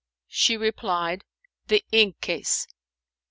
'" She replied, "The ink case."